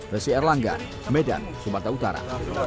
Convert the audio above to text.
resi erlangga medan sumatera utara